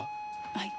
はい。